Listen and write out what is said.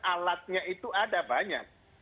alatnya itu ada banyak